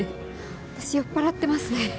私、酔っ払ってますね。